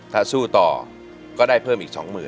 ถ้าสู้ต่อก็ได้เพิ่มอีก๒๐๐๐